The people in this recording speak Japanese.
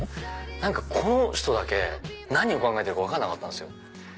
何かこの人だけ何を考えてるか分からなかったんすよ。